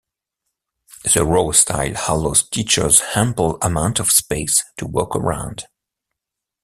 The row style allows teachers ample amount of space to walk around.